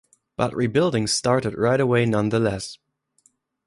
But rebuilding started right away nonetheless.